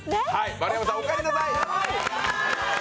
丸山さん、お帰りなさい！